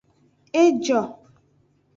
E jo.